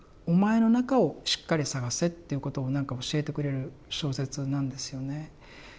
お前の中をしっかり探せっていうことをなんか教えてくれる小説なんですよね。